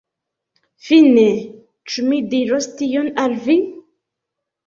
Fine, ĉu mi diros tion al vi?